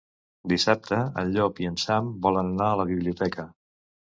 Dissabte en Llop i en Sam volen anar a la biblioteca.